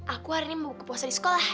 aku hari ini mau ke puasa di sekolah